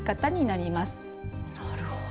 なるほど。